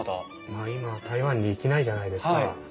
まあ今台湾に行けないじゃないですか。